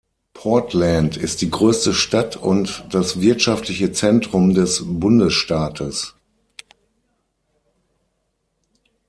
Portland ist die größte Stadt und das wirtschaftliche Zentrum des Bundesstaates.